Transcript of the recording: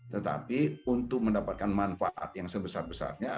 tetapi untuk mendapatkan manfaat yang sebesar besarnya